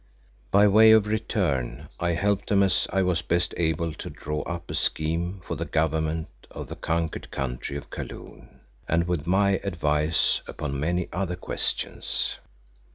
By way of return, I helped them as I was best able to draw up a scheme for the government of the conquered country of Kaloon, and with my advice upon many other questions.